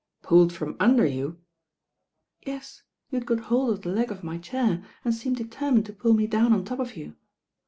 "Pulled from under you I" "Yes, you'd got hold of the leg of my chair, and teemed determined to pull me down on top of you."